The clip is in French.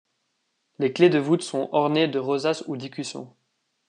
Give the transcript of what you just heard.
Les clefs de voûtes sont ornées de rosaces ou d'écussons.